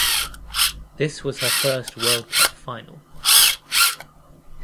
This was her first World Cup final.